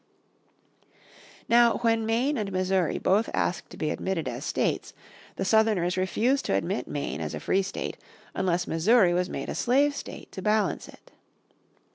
Now when Maine and Missouri both asked to be admitted as states the Southerners refused to admit Maine as a free state unless Missouri was made a slave state to balance it.